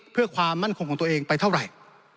เพื่อความมั่นคงของตัวเองไปเท่าไหร่